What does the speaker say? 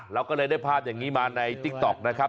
เราก็เลยได้ภาพอย่างนี้มาในติ๊กต๊อกนะครับ